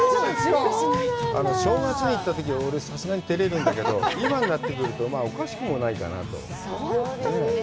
正月に言ったとき俺、さすがに照れるんだけど、今になってくるとおかしくもないかなと。